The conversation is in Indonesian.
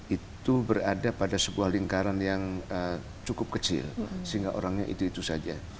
itu berada pada sebuah lingkaran yang cukup kecil sehingga orangnya itu itu saja